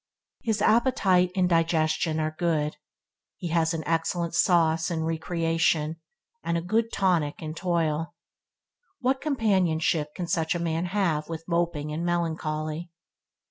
His appetite and digestion are good. He has an excellent sauce in recreation, and a good tonic in toil. What companionship can such a man have with moping and melancholy?